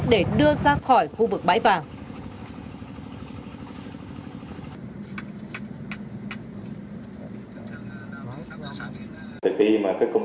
để đưa ra khỏi khu vực bãi vàng